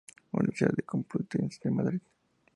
Universidad Complutense de Madrid.